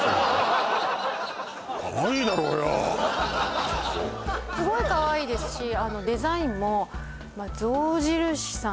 かわいいだろうよすごいかわいいですしデザインもまあ象印さん